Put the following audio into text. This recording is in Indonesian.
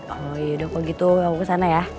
oh iya udah kalau gitu aku kesana ya